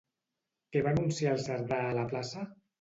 Què va anunciar el Cerdà a la plaça?